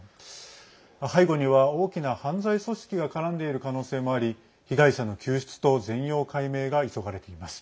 背後には大きな犯罪組織が絡んでいる可能性もあり被害者の救出と全容解明が急がれています。